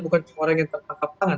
bukan cuma orang yang tertangkap tangan